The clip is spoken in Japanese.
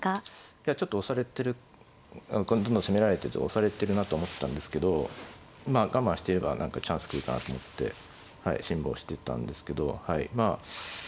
いやちょっと押されてるどんどん攻められてて押されてるなと思ったんですけどまあ我慢してれば何かチャンス来るかなと思って辛抱してたんですけどまあ